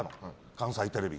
関西テレビに。